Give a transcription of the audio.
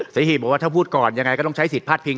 หีบบอกว่าถ้าพูดก่อนยังไงก็ต้องใช้สิทธิพลาดพิง